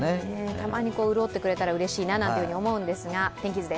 たまに潤ってくれたらうれしいななんて思うんですけど天気図です。